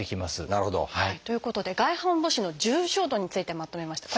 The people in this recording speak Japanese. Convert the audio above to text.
なるほど。ということで外反母趾の重症度についてまとめました。